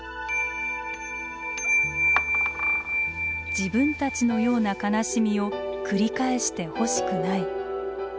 自分たちのような悲しみを繰り返してほしくない。